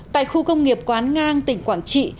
tại khu công nghiệp quán ngang tỉnh quảng trị